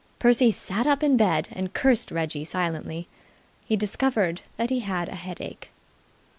Percy sat up in bed, and cursed Reggie silently. He discovered that he had a headache.